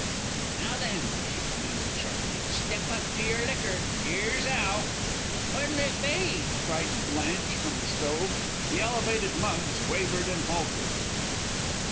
"Now then!" she commanded, sharply. "Step up to your licker! 'Ere's 'ow!" "What'll it be?" cried Blanche from the stove. The elevated mugs wavered and halted.